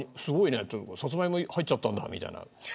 サツマイモ入っちゃったんだみたいな。